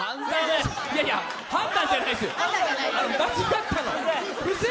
いやいや、判断じゃないですよ、間違ったの。